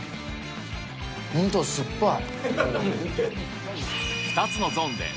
本当だ、酸っぱい。